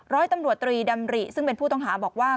ร้อยตำรวจตรีดำริซึ่งเป็นผู้ต้องหาบอกว่า